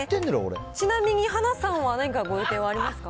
ちなみに、はなさんは何かご予定はありますか？